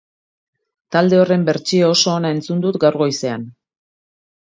Talde horren bertsio oso ona entzun dut gaur goizean